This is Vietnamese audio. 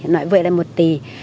nói vậy là một tí